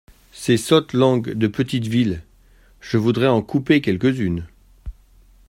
Ces sottes langues de petites villes ! je voudrais en couper quelques-unes !